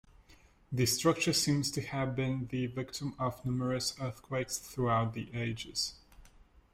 The structure seems to have been the victim of numerous earthquakes throughout the ages.